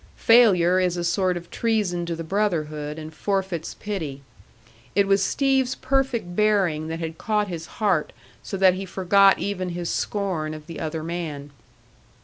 Failure is a sort of treason to the brotherhood, and forfeits pity. It was Steve's perfect bearing that had caught his heart so that he forgot even his scorn of the other man.